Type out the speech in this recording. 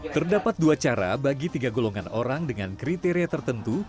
terdapat dua cara bagi tiga golongan orang dengan kriteria tertentu